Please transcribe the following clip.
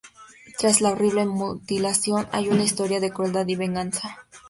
Tras la horrible mutilación hay una historia de crueldad y venganza.